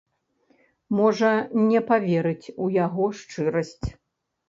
Можа, не паверыць у яго шчырасць.